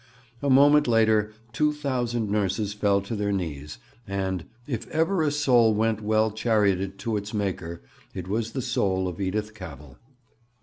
A moment later two thousand nurses fell to their knees, and 'if ever a soul went well charioted to its Maker it was the soul of Edith Cavell.'